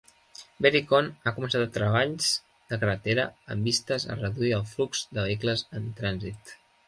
Berikon ha començat treballs de carretera amb vistes a reduir el flux de vehicles en trànsit.